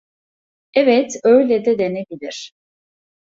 Evet, öyle de denebilir.